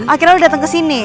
akhirnya lo datang ke sini